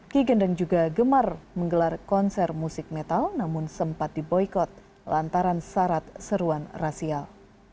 ki gendeng juga gemar menggelar konser musik metal namun sempat diboikot lantaran syarat seruan rasial